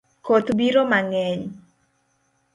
Koth biro mangeny